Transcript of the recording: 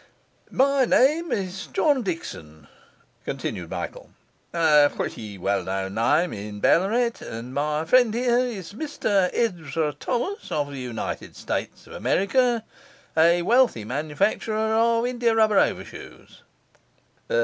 'My name is John Dickson,' continued Michael; 'a pretty well known name in Ballarat; and my friend here is Mr Ezra Thomas, of the United States of America, a wealthy manufacturer of india rubber overshoes.